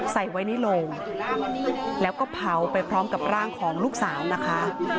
ใส่ไว้ในโลงแล้วก็เผาไปพร้อมกับร่างของลูกสาวนะคะ